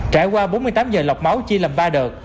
trải qua bốn mươi tám giờ lọc máu chia làm ba đợt